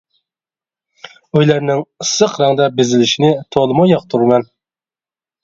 ئۆيلەرنىڭ ئىسسىق رەڭدە بېزىلىشىنى تولىمۇ ياقتۇرىمەن.